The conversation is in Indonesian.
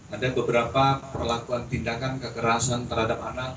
ada beberapa perlakuan tindakan kekerasan terhadap anak